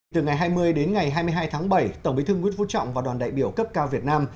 từ ngày hai mươi đến ngày hai mươi hai tháng bảy tổng bí thư nguyễn phú trọng và đoàn đại biểu cấp cao việt nam